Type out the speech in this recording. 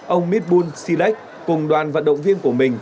ông mitbul silek cùng đoàn vận động viên của mình